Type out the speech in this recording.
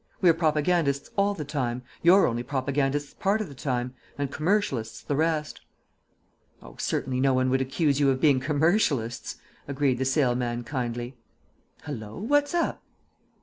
We're propagandists all the time, you're only propagandists part of the time; and commercialists the rest." "Oh, certainly no one would accuse you of being commercialists," agreed the Sale man kindly. "Hallo, what's up?"